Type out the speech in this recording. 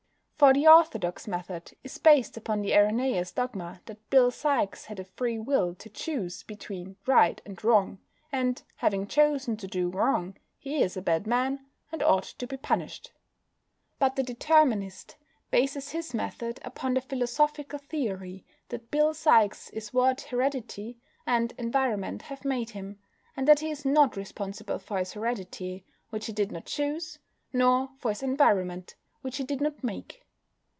For the orthodox method is based upon the erroneous dogma that Bill Sikes had a free will to choose between right and wrong, and, having chosen to do wrong, he is a bad man, and ought to be punished. But the Determinist bases his method upon the philosophical theory that Bill Sikes is what heredity and environment have made him; and that he is not responsible for his heredity, which he did not choose, nor for his environment, which he did not make.